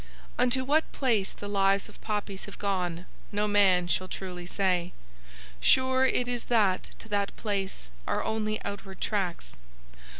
"Unto what place the lives of poppies have gone no man shall truly say. Sure it is that to that place are only outward tracks.